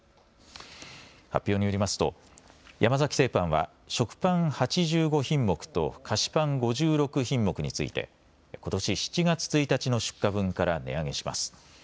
発表によりますと山崎製パンは食パン８５品目と菓子パン５６品目についてことし７月１日の出荷分から値上げします。